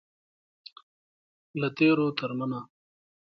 له تیرو تر ننه.